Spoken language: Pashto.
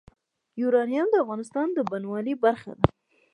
یورانیم د افغانستان د بڼوالۍ برخه ده.